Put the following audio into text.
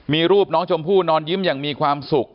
มีรูปน้องชมพู่นอนยิ้มอย่างมีความสุข